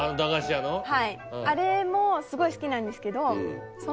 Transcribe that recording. はいあれもすごい好きなんですけど。